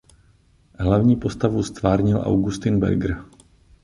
Hlavní postavu ztvárnil Augustin Berger.